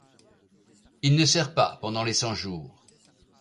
Il ne sert pas pendant les cent-jours.